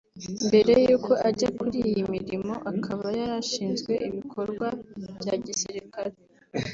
mbere yuko ajya kuri iyi mirimo akaba yari ashinzwe ibikorwa bya gisirikare